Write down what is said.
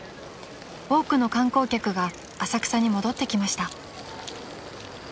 ［多くの観光客が浅草に戻ってきました］